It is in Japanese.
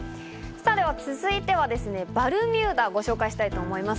さあ、では続いてはバルミューダをご紹介したいと思います。